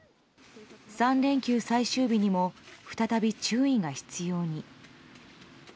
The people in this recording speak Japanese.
３連休最終日にも再び注意が必要に。